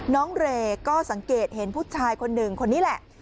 เรย์ก็สังเกตเห็นผู้ชายคนหนึ่งคนนี้แหละ